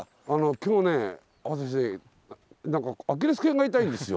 今日ね私何かアキレスけんが痛いんですよ。